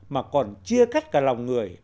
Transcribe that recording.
mà còn chia cắt cả lòng người